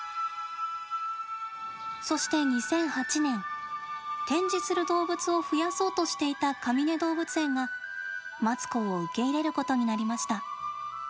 そして２００８年、展示する動物を増やそうとしていたかみね動物園が、マツコを受け入れることになりました。